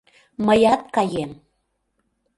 Мыят каем!